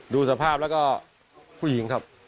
ดูสภาพแล้วก็ผู้หญิงครับ